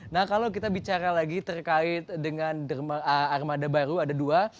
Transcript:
nah kalau kita bicara lagi terkait dengan armada baru ada dua